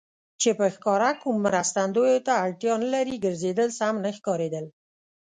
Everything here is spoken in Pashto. چې په ښکاره کوم مرستندویه ته اړتیا نه لري، ګرځېدل سم نه ښکارېدل.